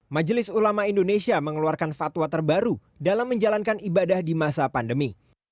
majelis ulama indonesia mengeluarkan fatwa terbaru dalam menjalankan ibadah di masa pandemi